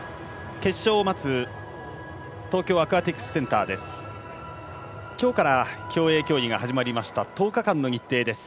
決勝を待つ東京アクアティクスセンターです。